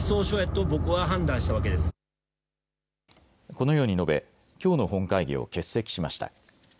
このように述べきょうの本会議を欠席しました。